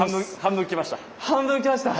半分きました。